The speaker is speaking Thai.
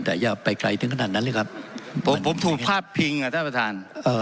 แต่อย่าไปไกลถึงขนาดนั้นเลยครับผมผมถูกพาดพิงอ่ะท่านประธานเอ่อ